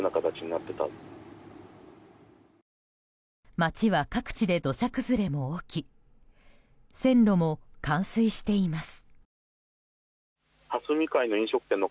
町は各地で土砂崩れも起き線路も冠水しています。